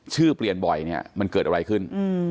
ชื่อเปลี่ยนบ่อยเนี่ยมันเกิดอะไรขึ้น